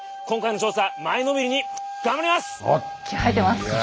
今回の調査前のめりに頑張ります！